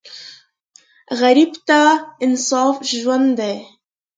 غریب ته انصاف ژوند دی